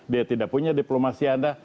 dia tidak punya diplomasi anda